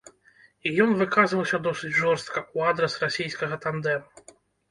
І ён выказваўся досыць жорстка ў адрас расійскага тандэму.